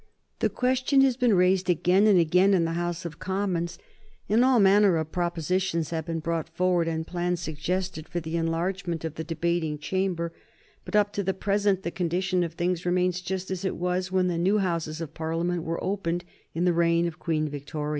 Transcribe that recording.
The question has been raised again and again in the House of Commons, and all manner of propositions have been brought forward and plans suggested for the enlargement of the debating chamber, but up to the present the condition of things remains just as it was when the new Houses of Parliament were opened in the reign of Queen Victoria.